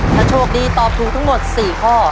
ถ้าโชคดีตอบถูกทั้งหมด๔ข้อ